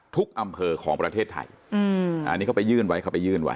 อำเภอของประเทศไทยอันนี้เขาไปยื่นไว้เขาไปยื่นไว้